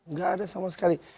nggak ada sama sekali